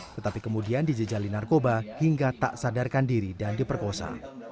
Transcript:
tetapi kemudian dijejali narkoba hingga tak sadarkan diri dan diperkosa